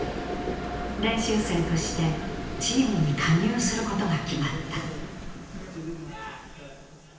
練習生としてチームに加入することが決まった。